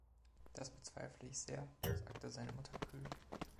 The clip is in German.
„Das bezweifle ich sehr“, sagte seine Mutter kühl.